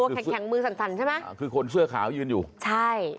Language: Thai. ตัวแข็งแข็งมือสั่นใช่ไหมคือคนเชื้อขาวยืนอยู่ใช่